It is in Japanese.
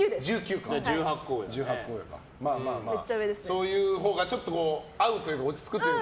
そういうほうが合うというか落ち着くというか？